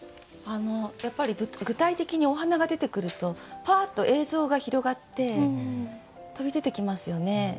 やっぱり具体的にお花が出てくるとぱあっと映像が広がって飛び出てきますよね。